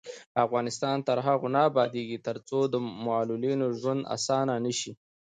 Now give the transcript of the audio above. افغانستان تر هغو نه ابادیږي، ترڅو د معلولینو ژوند اسانه نشي.